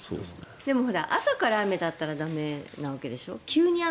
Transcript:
でも、朝から雨だったら駄目なわけでしょ。